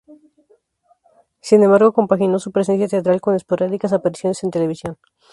Sin embargo compaginó su presencia teatral con esporádicas apariciones en televisión.